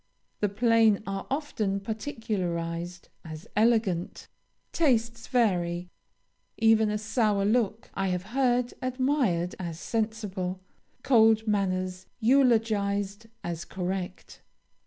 The plain are often particularized as elegant; tastes vary: even a sour look I have heard admired as sensible, cold manners eulogized as correct.